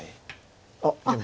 あっ！